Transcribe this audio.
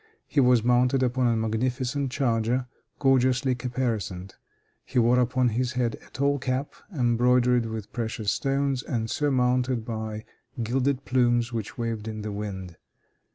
He was mounted upon a magnificent charger, gorgeously caparisoned. He wore upon his head a tall cap, embroidered with precious stones, and surmounted by gilded plumes which waved in the wind.